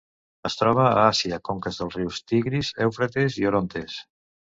Es troba a Àsia: conques dels rius Tigris, Eufrates i Orontes.